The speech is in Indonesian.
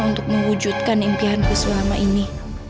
untuk mewujudkan impianku selama ini